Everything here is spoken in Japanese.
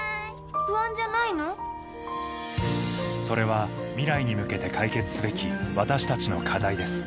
それは未来に向けて解決すべき私たちの課題です